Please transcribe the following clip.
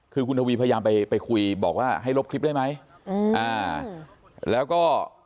คือคุณทวีพยายามไปไปคุยบอกว่าให้ลบคลิปได้ไหมอืมอ่าแล้วก็